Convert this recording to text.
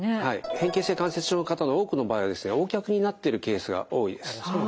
変形性関節症の方の多くの場合はですねＯ脚になっているケースが多いです。